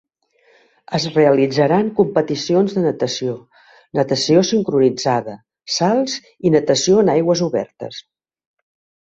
Es realitzaran competicions de natació, natació sincronitzada, salts i natació en aigües obertes.